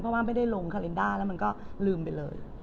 เพราะว่าไม่ได้ลงคาลินด้าแล้วมันก็ลืมไปเลย